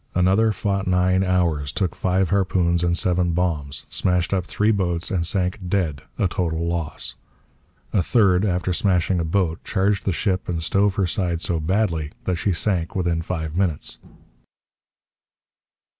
Another fought nine hours, took five harpoons and seven bombs, smashed up three boats, and sank dead a total loss. A third, after smashing a boat, charged the ship and stove her side so badly that she sank within five minutes.